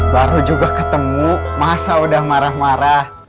baru juga ketemu masa udah marah marah